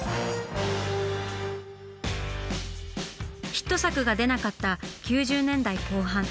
ヒット作が出なかった９０年代後半。